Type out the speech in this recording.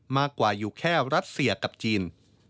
มากกว่าอยู่แค่รัสเซียกับจีน